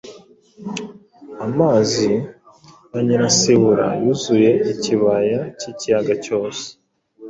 Amazi ya Nyiransibura yuzuye ikibaya cy’Ikinyaga cyose